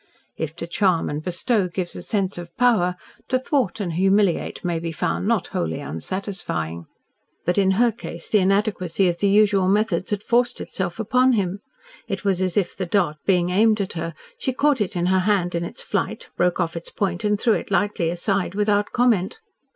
If to charm and bestow gives the sense of power, to thwart and humiliate may be found not wholly unsatisfying. But in her case the inadequacy of the usual methods had forced itself upon him. It was as if the dart being aimed at her, she caught it in her hand in its flight, broke off its point and threw it lightly aside without comment.